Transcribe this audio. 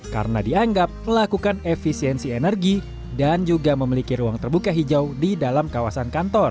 karena dianggap melakukan efisiensi energi dan juga memiliki ruang terbuka hijau di dalam kawasan kantor